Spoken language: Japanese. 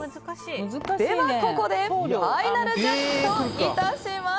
ではここでファイナルジャッジといたします。